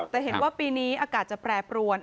แต่เห็นว่าปีนี้อากาศจะแปรปรวน